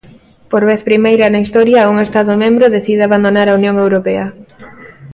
Por vez primeira na historia un Estado membro decide abandonar a Unión Europea.